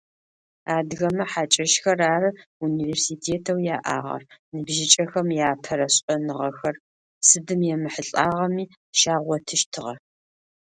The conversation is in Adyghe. Адыгэмэ хьакӏэщхэр ары «университетэу» яӏагъэр, ныбжьыкӏэхэм яапэрэ шӏэныгъэхэр, сыдым емыхьылӏагъэми, щагъотыщтыгъэ.